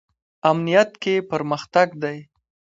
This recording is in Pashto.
امنیت کې پرمختګ دی